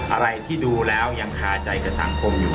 อะไรที่ดูแล้วยังคาใจกับสังคมอยู่